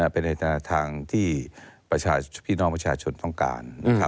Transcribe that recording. เป็นในทางที่พี่น้องประชาชนต้องการ